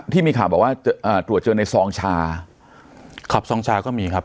ที่มีข่าวบอกว่าอ่าตรวจเจอในซองชาขับซองชาก็มีครับ